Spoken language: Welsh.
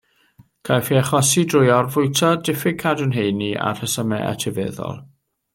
Caiff ei achosi drwy orfwyta, diffyg cadw'n heini a rhesymau etifeddol.